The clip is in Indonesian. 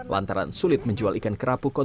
lantaran sulit menjual ikan kerapu